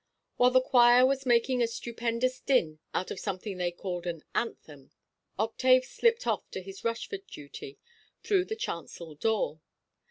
While the choir was making a stupendous din out of something they called an "anthem," Octave slipped off to his Rushford duty, through the chancel–door.